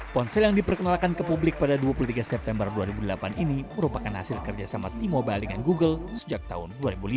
ponsel yang diperkenalkan ke publik pada dua puluh tiga september dua ribu delapan ini merupakan hasil kerjasama t mobile dengan google sejak tahun dua ribu lima